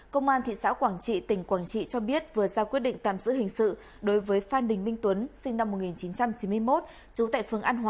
công an thị xã quảng trị tỉnh quảng trị cho biết vừa ra quyết định tạm giữ hình sự đối với phan đình minh tuấn